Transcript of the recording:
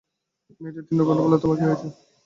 মেয়েটি তীক্ষ্ণ কণ্ঠে বলল, তোমার কী হয়েছে।